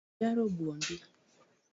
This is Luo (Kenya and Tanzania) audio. Wekyaro buombi